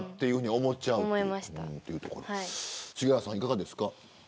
杉原さん、いかがですか。